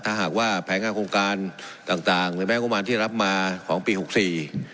ถ้าหากว่าแผนงานโครงการต่างต่างหรือแม้งบประมาณที่รับมาของปีหกสี่